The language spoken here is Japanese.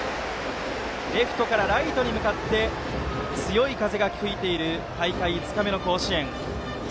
レフトからライトに向かって強い風が吹いている大会５日目の甲子園。